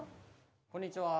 こんにちは。